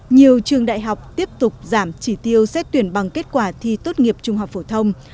nhiều trường đại học tiếp tục giảm chỉ tiêu xét tuyển bằng kết quả thi tốt nghiệp trung học phổ thông